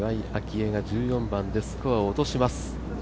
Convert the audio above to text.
愛が１４番でスコアを落とします。